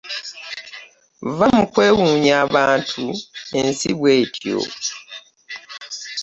Vva mu kwewuunya abantu ensi bw'etyo.